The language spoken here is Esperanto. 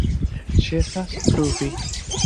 Ĉesas pluvi.